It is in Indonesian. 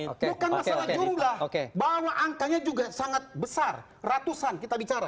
bukan masalah jumlah bahwa angkanya juga sangat besar ratusan kita bicara